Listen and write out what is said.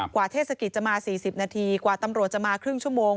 เทศกิจจะมา๔๐นาทีกว่าตำรวจจะมาครึ่งชั่วโมง